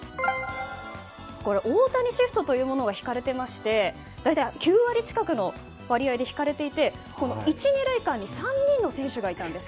大谷シフトというものが敷かれていまして大体９割近くの割合で敷かれていて１、２塁間に３人の選手がいたんです。